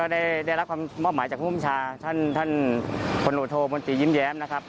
ได้รับความหมอบหมายจากผู้บัญชาท่านคนโดโทมนติยิ้มแย้ม